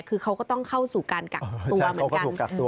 คือเขาก็ต้องเข้าสู่การกักตัวเหมือนกัน